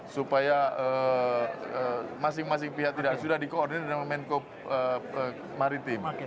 supaya masing masing pihak sudah di koordinir dengan menteri keuangan maritim